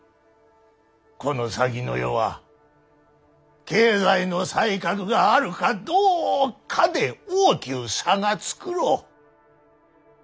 この先の世は経済の才覚があるかどうかで大きゅう差がつくろう。